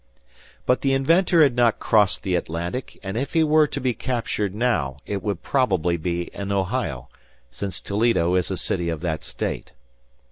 But the inventor had not crossed the Atlantic, and if he were to be captured now, it would probably be in Ohio, since Toledo is a city of that state.